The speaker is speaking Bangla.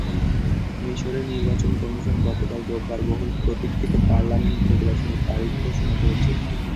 মিসরের নির্বাচন কমিশন গতকাল রোববার বহুল প্রতীক্ষিত পার্লামেন্ট নির্বাচনের তারিখ ঘোষণা করেছে।